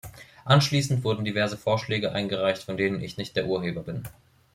Anschließend wurden diverse Vorschläge eingereicht, von denen ich nicht der Urheber bin.